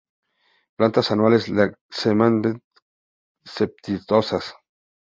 Plantas anuales, laxamente cespitosas.